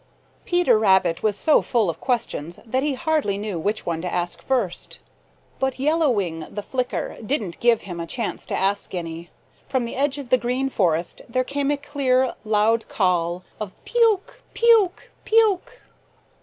Peter Rabbit was so full of questions that he hardly knew which one to ask first. But Yellow Wing the Flicker didn't give him a chance to ask any. From the edge of the Green forest there came a clear, loud call of, "Pe ok! Pe ok! Pe ok!"